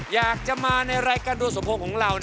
อยากจะมาในรายการดวงสมพงษ์ของเรา